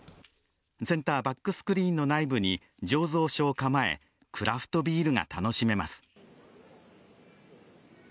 センターバックスクリーンの内部に醸造所を構えクラフトビールが楽しめます。